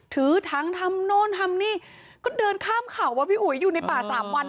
ถือถังทำโน่นทำนี่ก็เดินข้ามเขาว่าพี่อุ๋ยอยู่ในป่าสามวัน